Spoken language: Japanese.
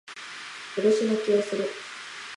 嬉し泣きをする